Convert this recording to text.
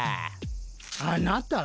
あなたは？